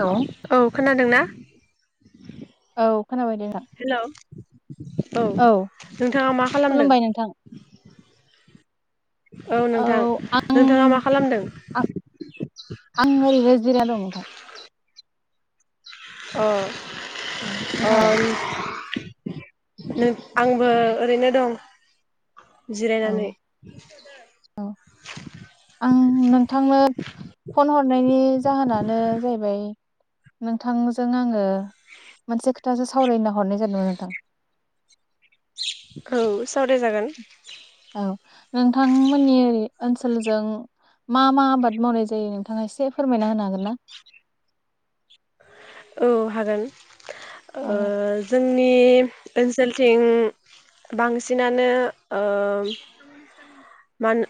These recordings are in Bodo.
औ औ। खोनादों ना? औ खोनाबाय दे नोंथां। औ नोंथाङा मा खालामदों? खुलुमबाय नोंथां औ आं नोंथाङा मा खालामदों आं आं ओरैनो जिरायना दं नोंथां। अ। औ अ। नोंथाङालाय [unintelligible] आंबो ओरैनो दं। औ जिरायनानै औ आं नोंथांनो फन हर नायनि जाहोनानो जाहैबाय नोंथांजों आङो मोनसे खोथासो सावरायनो हरनाय जादोंमोन नोंथां। औ सावराय जागोन। औ। नोंथांमोननि ओरै ओनसोलजों मा मा आबाद मावनाय जायो नोंथाङा एसे फोरमायना होनो हागोन ना? औ हागोन। ओ औ जों नि ओनसोलथिं बांसिनानो ओ मान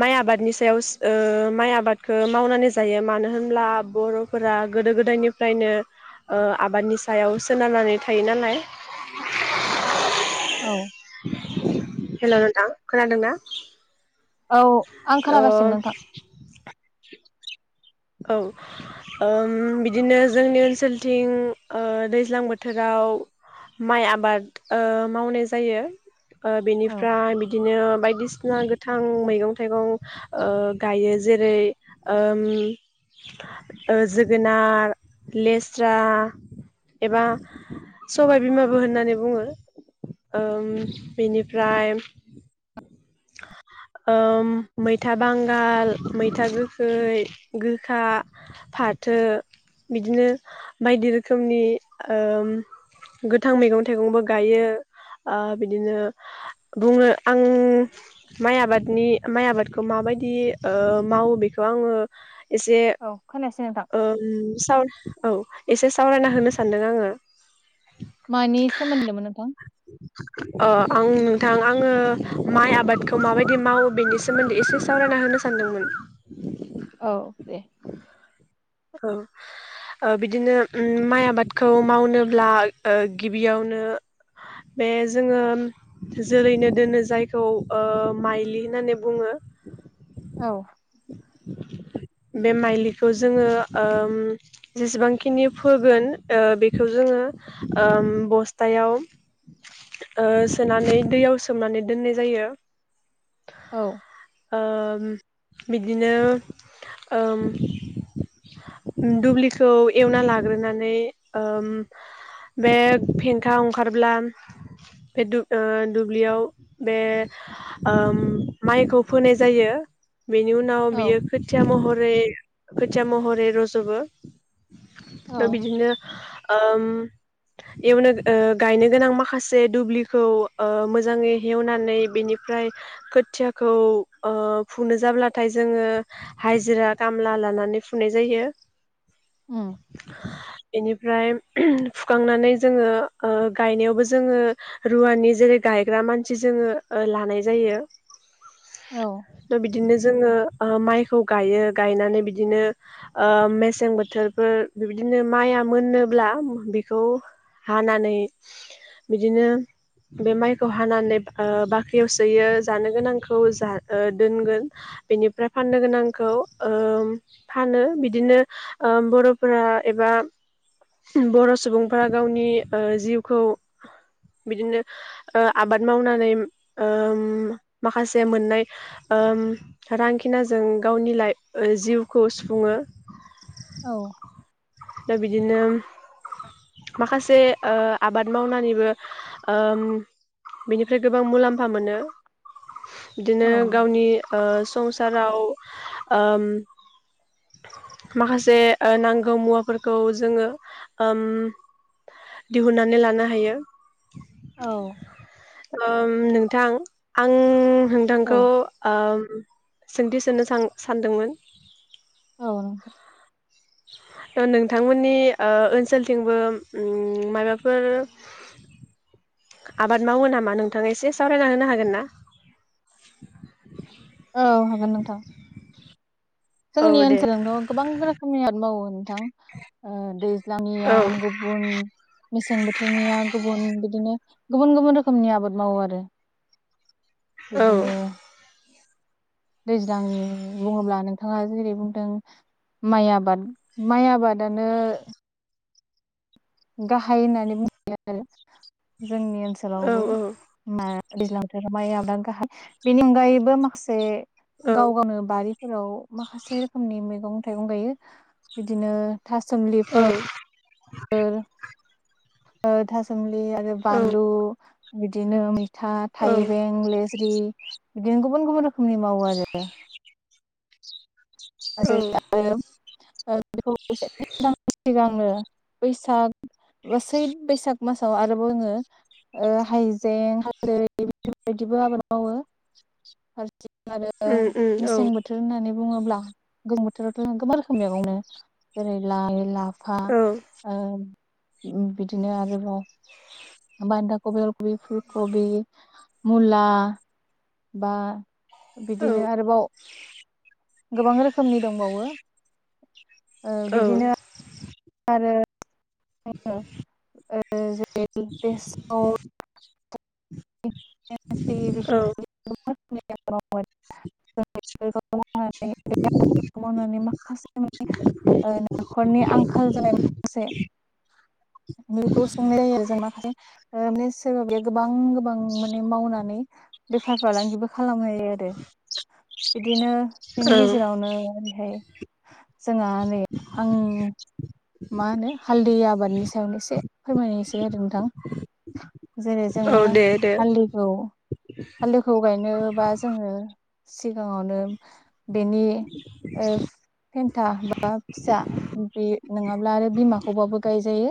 माइ आबादनि सायाव माइ आबादखौ मावनानै जायो। मानो होनब्ला बर'फोरा गोदो गोदायनिफ्रायनो फ्रायनो ओ आबादनि सायाव सोनारनानै थायो नालाय। औ। हेलौ नोंथां खोनादोंना? औ आं ओ खोनागासिनो नोंथां। औ ओम बिदिनो जोंनि ओनसोलथिं ओ दैज्लां बोथोराव माइ आबाद ओ मावनाय जायो। ओ औ बेनिफ्राय बि दिनो बायदिसिना गोथां मैगं थाइगं गायो। जेरै ओम ओ जोगोनार, लेस्रा एबा सबाय बिमाबो होननानै बुङो। ओम बेनिफ्राय ओम मैथा बांगाल, मैथा गोखै गोखा फाथो बिदिनो बायदि रोखोमनि गोथां मैगं थाइगंबो गायो बिदिनो बुङो आं माइ आबादनि माइ आबादखौ माबायदि मावो बेखौ आङो एसे औ खोनासै ओम स औ एसे सावरायना होनो सानदों आङो मानि सोमोन्द मोन नोंथां? अ आं नोंथां आङो माइ आबादखौ माबायदि मावो बेनि सोमोन्दै एसे सावरायना होनो सानदोंमोन। औ दे औ बिदिनो माइ आबादखौ मावनोब्ला गिबियावनो बे जोङो जेरैनो दोनो जायखौ माइलि होननानै बुङो। औ बे माइलिखौ जों ओ जेसेबांखिनि फोगोन ओ बेखौ जोङो ओ बस्थायाव ओ सोनानै दैयाव सोमनानै दोननाय जायो। औ ओम बिदिनो ओम दुब्लिखौ एवना लाग्रोनानै ओम बे फेंखा ओंखारब्ला बे ब्लियाव बे माइखौ फोनाय जायो। बेनि उनाव औ बियो खोथिया महरै खोथिया महरै रज'बो दा औ बिदिनो ओ [unintelligible] एवनो ओ गायनो गोनां माखासे दुब्लिखौ ओ मोजाङै हेवनानै बेनिफ्राय खोथियाखौ ओ फुनो जाब्लाथाय जोङो हाजिरा खामला लाना नानै फुनाय जायो। उ बेनिफ्राय फुखांनानै जोङो गायनायावबो जोङो रुवानि जेरै गायग्रा मानसि जोङो लानाय जायो। औ दा बिदिनो जोङो ओ माइखौ गायो गायनानै बिद बिदिनो ओ मेसें बोथोरफोर बिदिनो माइआ मोनोब्ला बिखौ हानानै बिदिनो बे माइखौ हानानै बाख्रियाव सोयो जानो गोनांखौ दोनगोन बेनिफ्राय फाननो गोनांखौ ओ फानो बिदिनो ओ बर'फोरा एबा बर' सुबुंफोरा गावनि ओ जिउखौ बिदिनो ओ आबाद मावनानै माखासे मोननाय ओ रांखिनाजों गावनि लाइ जिउ खौ सुफुङो औ दा बिदिनो माखासे ओ आबाद मावनानैबो ओम बिनिफ्राय गोबां मुलाम्फा मोनो बिदिनो औ गावनि ओ संसाराव ओम माखासे ओ नांगौ मुवा फोरखौ जोङो ओम दिहुननानै लानो हायो औ ओम नोंथां आं नोंथांखौ औ ओम सोंथि सोंनो सां सान्दोंमोन औ नों ओ नोंथांमोननि ओ ओनसोलथिंबो उम मायबाफोर आबाद मावो नामा नोंथाङा एसे सावरायना होनो हागोन ना? औ हागोन नोंथां। औ जोंनि दे ओनसोलजोंथ' गोबां रोखोमनि [unintelligible] मावो। नोंथां ओ दै औ लाङियां गुबुन मेसें बोथोरनिया गुबुन बिदिनो गुबुन गुबुन रोखोमनि आबाद मावो आरो औ बिदिनो दैज्लांनि बुङोब्ला नोंथाङा जेरै बुंदों माइ आबाद माइ आबादानो गाहाय होननानै [unintelligible] आरो जोंनि औ ओनसोलावबो औ मा दैज्लां बोथोराव माइ आबादा गाहाय बेनि अनगायैबो माखासे औ गाव गावनो बारि फोराव माखासे रोखोमनि मैगं थाइगं गायो बिदिनो था औ सोमलिफोर ओर ओ था सोमलि लि आरो औ बान्लु। बिदिनो मैस था, औ थाइबें, लेज्रि। बिदिनो गुबुन गुबुन रोखोमनि मावो आरो। औ। [inaudible] [unintelligible] [unintelligible] बैसाग सै बैसाग मासाव आरोबाव जोङो ओ हाइजें, हालदै, बेफोरबायदिबो आबाद मावो। जें आरो उम उम औ मेसें बोथोर होननानै बुङोब्ला गोजां बोथोरावथ' जों गोबां रोखोम मैगं मोनो जेरै लाइ, ला फा औ ओम उम बिदिनो आरोबाव बान्दा कबि, अल कबि, फुल कबि मुला बा बिदिनो आरोबाव गोबां रोखोमनि दंबावो ओ औ बिदिनो आरो [inaudible] [unintelligible] बेसर [inaudible] औ। [unintelligible] मावनानै बे आबादखौ मावनानै माखासे न'नि ओ न'खरनि आंखाल जानाय माखासे बेखौ संनाय जायो आरो जों माखासे। ओ [unintelligible] गोबां [unintelligible] माने मावनानै बेफार फालांगिबो खा खालामहैयो आरो बिदिनो बेनि औ गेजेरावनो ओरैहाय जोंहा नै आं मा होनो हालदै आबादनि सायावनो एसे फोरमायनायसै आरो नोंथां। जेरै औ जोङो दे दे हालदैखौ हालदैखौ गायनोबा जोङो सिगाङावनो बेनि ओ फेन्था बा फिसा बे नङाब्ला आरो बिमाखौबाबो गायजायो।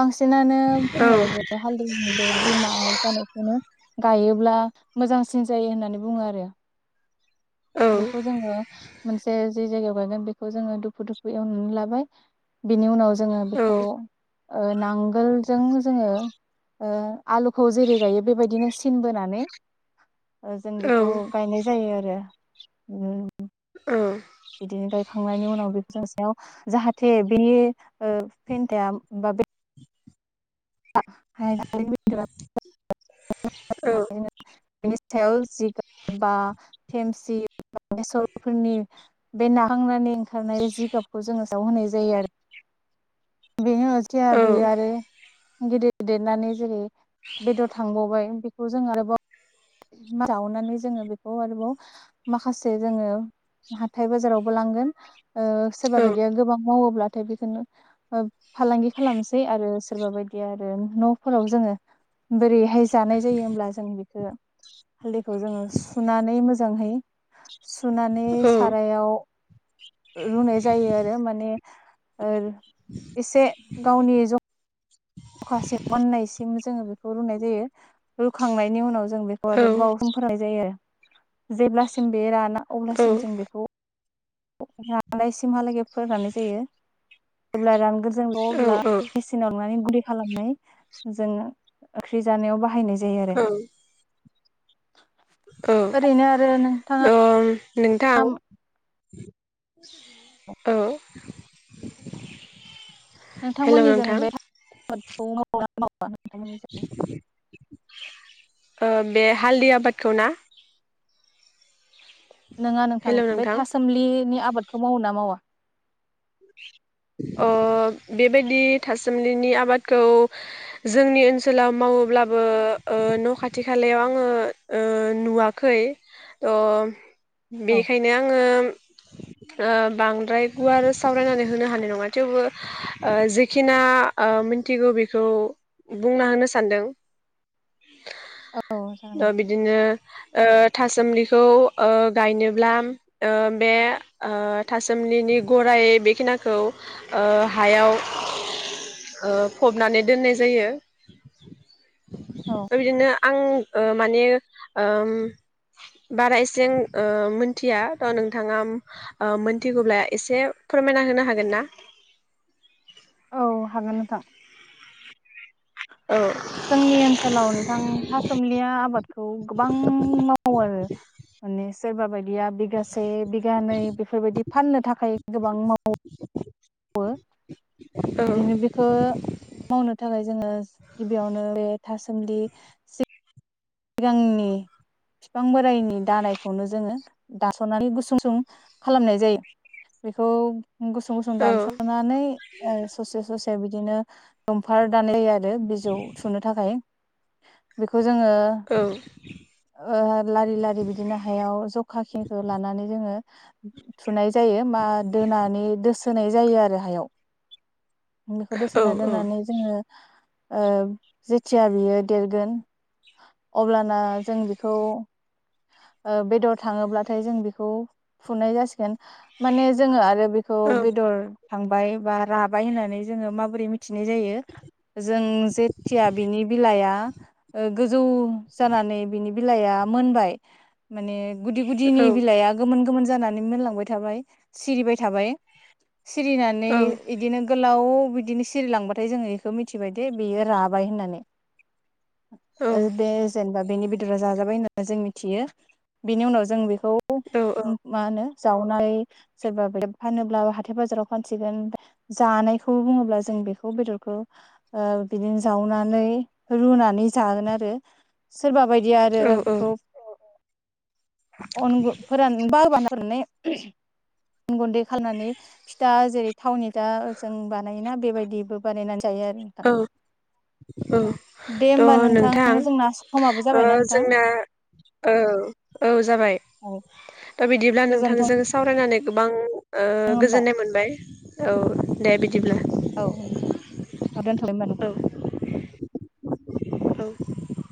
बांसि नानो औ बुङो जे हालदैनि बे बिमा जानायखौनो गायोब्ला मोजांसिन जायो होननानै बुङो आरो औ बेखौ जोङो मोनसे जे जायगायाव गायगोन बेखौ जोङो दुफु दुफु एवनानै लाबाय। बिनि उनाव जोङो औ बेखौ ओ नांगोलजों जोङो ओ आलुखौ जेरै गायो बेबायदिनो सिनबोनानै जों औ बेखौ गायनाय जायो। आरो उम [unintelligible] औ। बि [unintelligible] गायखांनायनि उनाव बे [unintelligible] जाहाथे बे ओ फेन्टा बा बे [unintelligible] औ। बिनि सायाव जिगाब बा थेमसि बेसरफोरनि बे नाखांनानै ओंखारनाय जिगाबखौ जोङो साव होनाय जायो आरो बेनो टिया औ बेयो आरो गिदिर दिरनानै जेरै बेदर थांबावबाय बेखौ जों आरोबाव जावनानै जोङो बेखौ आरोबाव माखासे जोङो हाथाइ बाजारावबो लांगोन। ओ सोरबा बायदिया गोबां मावोब्लाथाय बेखौनो ओ फालांगि खालामसै आरो सोरबा बायदि या आरो न'फोराव जोङो बोरैहाय जानाय जायो होमब्ला जों बेखौ हालदैखौ जोङो सुनानै मोजांहै सुनानै सारायाव रुनाय जायो आरो माने ओ एसे गावनि ज' खासिम मोननायसिम जोङो बेखौ रुनाय जायो। रुखांनायनि उनाव जों बेखौ आरो गोबाव सम फोराननाय जायो। जेब्लासिम बे राना अब्लासिम जों बेखौ राननायसिमहालागै फोराननाय जायो जेब्ला रानगोन जों अब्ला मेचिनाव लांनानै गुन्दै खालामनाय जों ओंख्रि जानायाव बाहायनायै जायो आरो औ ओरैनो आरो नोंथाङा औ नोंथां औ हेल' नोंथांमोननि जों नोंथां बेखौ औ [inaudible] ओ बे हालददि आबादखौ ना नोङा नोंथां बे थासोमलिनि आ आबादखौ मावो ना मावा अ बेबायदि थासुमलिनि आबादखौ जोंनि ओनसोलाव मावोब्लाबो ओ न खाथि खालायाव आंङो नुवाखै थ औ बेखायनो आंङो ओ बांद्राय गुवारै सावरायनानै होनो हानाय नंङा थेवबो ओ जेखिना ओ मिथिगौ बेखौ बुंना होनो सानदों औ जागोन दा नोंथां बिदिनो ओ थासोमलिखौ ओ गायनोब्ला बे थासोमलिनि गराय बेखिनि खौ ओ हायाव फबनानै दोननाय जायो औ ओरैनो आं ओ माने ओ बारा एसें ओ मोनथिया थ नोंथाङा ओ मोनथिगौब्ला एसे फोरमायना होनो हागोन हागोन ना औ हागोन नोंथां औ जोंनि ओनसोलाव नोंथां थासुमलिया आबादखौ गोबां मावो आरो माने सोरबा बायदि [unintelligible] बिगासे बिगानै बेफोरबायदि फाननो थाखाय गोबां मा वो औ बिदिनो बेखो मावनो थाखाय जोंङो गिबियावनो बे था सोमलि सिगांनि बिफां बोरायनि दानायखौनो जोंङो दासनानै गुसुं सुं खालामनाय जायो बेखौ गुसुं- गुसुं औ दानसनानै ओ ससे -ससे बिदिनो जंफार दाननाय [unintelligible] बिजौ थुनो थाखाय बेखौ जोंङो ओ औ लारि- लारि बिदिनो हायाव जखाखिनिखौ लानानै जोंङो थुनाय जायो मा दोनानै दो होनाय जायो आरो हायाव। बेखौ औ दोसोना दोन्नानै जोंङो ओ जेथिया बियो देरगोन अब्ला ना जों बेखौ ओ बेदर थांङोब्लाथाय जों बेखौ फुनाय जासिगोन माने जोंङो आरो बेखौ औ बेदर थांबाय बा राबाय होननानै जोंङो माबोरै मिथिनाय जायो जों जेथिया बिनि बिलाया ओ गोजौ जानानै बिनि बिलाइआ मोनबाय माोने गुदि-गुदि नि बिलाइआ गोमोन-गोमोन जानानै मोनलांबाय थाबाय सिरिबाय थाबाय सिरिनानै इदिनो गोलाव बिदिनो सिरिलांबाथाय जोंङो इखो मिथिबाय दे बेयो राबाय होननानै। ओ बे बा बेनि बेदरा जाजाबाय होननानै जों मिथियो बेनि उनाव जों बे खौ मा-मा होनो जावनाय सोरबा बे फानोब्ला हाथाय बाजाराव फानसिगोन जानायखौ बुंङोब्ला जों बेखौ बेदरखौ ओ बिदिनो जावनानै रुनानै जागोन आरो। सोरबा बायदिया आरो बेखौ अन-गु फोरान बार बा [unintelligible] गुन्दै खालामनानै फिथा जेरै थावनि दा जों बानायोना बेबायदि बो बानायनानै जायो आरो नोंथां औ औ दे होमबा थ' नोंथां जोंना समाबो औ जाबायना नोंथां जोंना औ औ जाबाय। औ दा बिदिब्ला गोजोनथों नोंथांजों सावरायनानै गोबां ओ होमबा गोजोननाय मोनबाय औ दे बिदिब्ला औ आ दोनथबाय होमबा नों औ औ